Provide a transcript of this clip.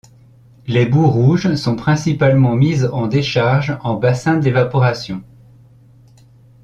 Les boues rouges sont principalement mises en décharge en bassin d'évaporation.